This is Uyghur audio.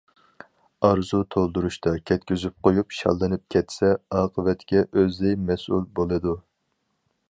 ئارزۇ تولدۇرۇشتا كەتكۈزۈپ قويۇپ شاللىنىپ كەتسە، ئاقىۋەتكە ئۆزى مەسئۇل بولىدۇ.